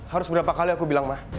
harus berapa kali aku bilang mah